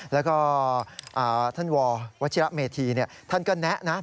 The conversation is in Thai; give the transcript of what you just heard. แล้วก็ท่านววเมธีเนี่ยท่านก็แนะนะ